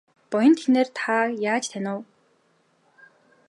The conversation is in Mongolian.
Буянт эхнэр та яаж танив?